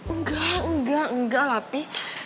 enggak enggak enggak lapi